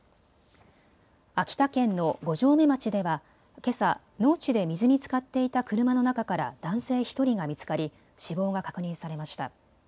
秋田県の五城目町ではけさ農地で水につかっていた車の中から男性１人が見つかり死亡が確認されました。